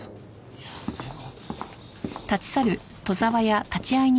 いやでも。